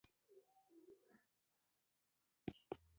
خو هغه راژوندي كړئ، بيا مو مړه کوي